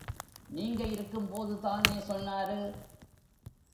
நீங்க இருக்கும் போதுதானே சொன்னாரு.